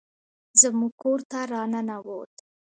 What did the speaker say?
زموږ کور ته راننوت